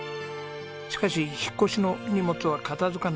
しかし引っ越しの荷物は片付かないまんま。